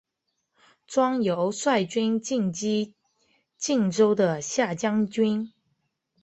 庄尤率军进击荆州的下江军。